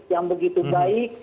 yang begitu baik